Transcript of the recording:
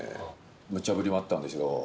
むちゃ振りもあったんですよ。